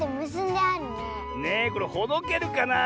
ねえこれほどけるかなあ。